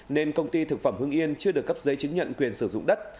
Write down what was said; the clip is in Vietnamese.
nên công ty thực phẩm hương yên chưa được cấp giấy chứng nhận quyền sử dụng đất